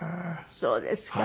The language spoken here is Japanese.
そうですか。